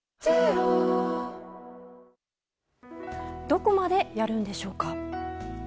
どこまでやるんでしょうか。